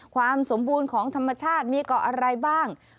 ความสมบูรณ์ของธรรมชาติมีเกาะอะไรบ้าง